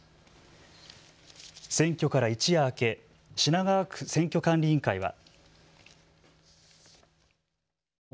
選挙から一夜明け品川区選挙管理委員会は。